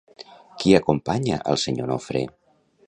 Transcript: Qui acompanya al senyor Nofre?